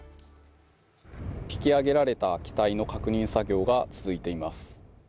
引き揚げられた機体の確認作業が続いています。